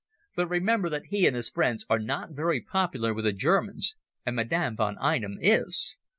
But remember that he and his friends are not very popular with the Germans, and Madame von Einem is.